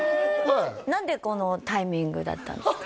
何でこのタイミングだったんですか？